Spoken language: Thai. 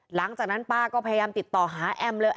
หลังจากนั้นป้าก็พยายามติดต่อหาแอมเลย